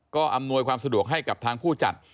ก็อำนวยความสะดวกให้กับทางผู้จัด